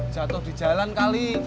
jatuh di jalan kali